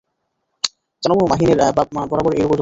জান বউ, মহিনের বরাবর ঐরকম।